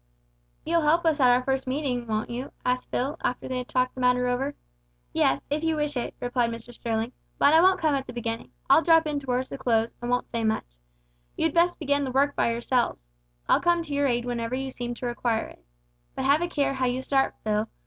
"You'll help us at our first meeting, won't you?" asked Phil, after they had talked the matter over. "Yes, if you wish it," replied Mr Sterling. "But I won't come at the beginning. I'll drop in towards the close, and won't say much. You'd best begin the work by yourselves. I'll come to your aid whenever you seem to require it. But have a care how you start, Phil.